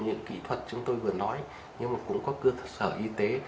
những kỹ thuật chúng tôi vừa nói nhưng mà cũng có cơ sở y tế